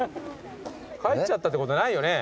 帰っちゃったってことないよね？